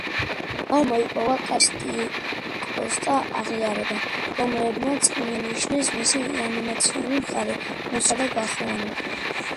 მან მოიპოვა კრიტიკოსთა აღიარება, რომლებმაც აღნიშნეს მისი ანიმაციური მხარე, მუსიკა და გახმოვანება.